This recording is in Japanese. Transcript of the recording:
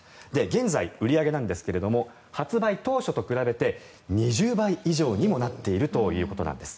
現在、売り上げなんですが発売当初と比べて２０倍以上にもなっているということなんです。